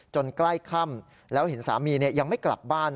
ใกล้ค่ำแล้วเห็นสามียังไม่กลับบ้าน